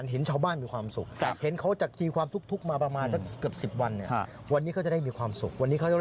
แล้ววันนี้เขาจะได้มีความสุข